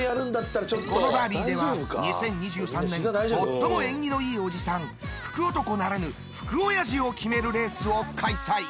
このダービーでは２０２３年最も縁起のいいおじさん福男ならぬ福おやじを決めるレースを開催。